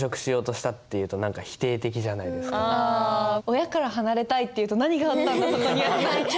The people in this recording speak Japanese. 親から離れたいって言うと「何があったんだそこには」。